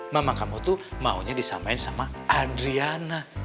mama kamu tuh maunya disamain sama adriana